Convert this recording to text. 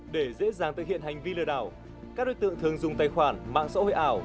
để dễ dàng thực hiện hành vi lừa đảo các đối tượng thường dùng tài khoản mạng xã hội ảo